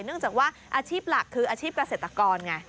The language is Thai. เนื่องจากว่าอาชีพหลักคืออาชีพเกษตรกรไง